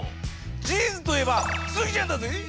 ジーンズといえばスギちゃんだぜぇ